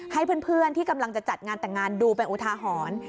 ให้เพื่อนที่กำลังจะจัดงานแต่งงานดูเป็นอุทาหรณ์